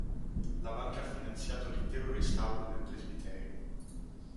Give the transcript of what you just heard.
La Banca ha finanziato l'intero restauro del Presbiterio.